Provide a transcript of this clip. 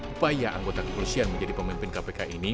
upaya anggota kepolisian menjadi pemimpin kpk ini